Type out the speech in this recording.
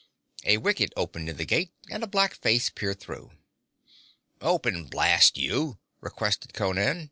A wicket opened in the gate and a black face peered through. 'Open, blast you,' requested Conan.